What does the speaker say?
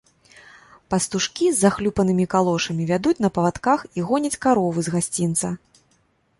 Пастушкі з захлюпанымі калошамі вядуць на павадках і гоняць каровы з гасцінца.